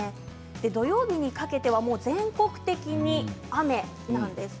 土曜日にかけては全国的に雨なんです。